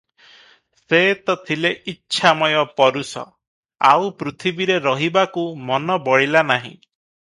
ସେ ତ ଥିଲେ ଇଚ୍ଛାମୟ ପରୁଷ, ଆଉ ପୃଥିବୀରେ ରହିବାକୁ ମନ ବଳିଲା ନାହିଁ ।